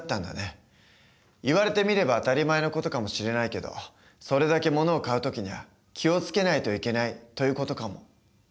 言われてみれば当たり前の事かもしれないけどそれだけものを買う時には気を付けないといけないという事かも。